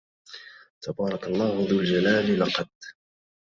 تبارك الله ذو الجلال لقد